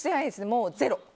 もうゼロ。